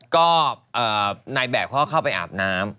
ก็นายแบบเขาก็เข้าไปอาบน้ำ